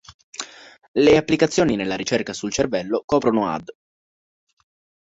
Le applicazioni nella ricerca sul cervello coprono ad.